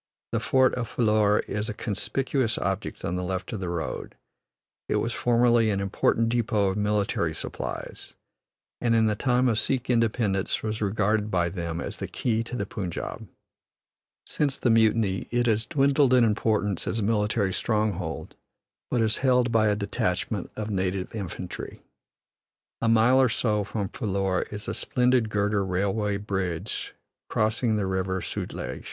The fort of Phillour is a conspicuous object on the left of the road; it was formerly an important depot of military supplies, and in the time of Sikh independence was regarded by them as the key to the Punjab. Since the mutiny it has dwindled in importance as a military stronghold, but is held by a detachment of native infantry. A mile or so from Phillour is a splendid girder railway bridge crossing the River Sutlej.